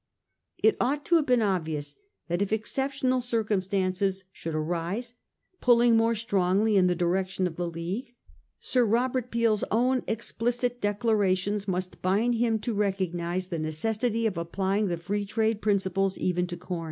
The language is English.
It ought to have been obvious that if exceptional circumstances should arise, pulling more strongly in the direction of the League, Sir Robert Peel's own explicit declarations must bind him to recognise the necessity of applying the Free Trade principles even to com.